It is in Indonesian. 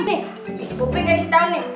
nih gua pikirin kasih tau nih